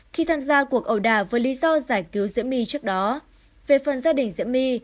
khi tham gia cuộc ẩu đà với lý do giải cứu diễm my trước đó về phần gia đình diễm my